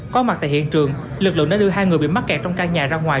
có mặt tại hiện trường lực lượng đã đưa hai người bị mắc kẹt trong căn nhà ra ngoài